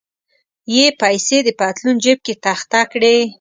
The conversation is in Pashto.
یې پیسې د پتلون جیب کې تخته کړې.